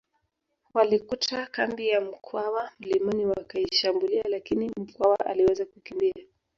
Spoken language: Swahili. Walikuta kambi ya Mkwawa mlimani wakaishambulia lakini Mkwawa aliweza kukimbia